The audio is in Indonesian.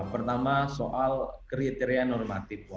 pertama soal kriteria normatif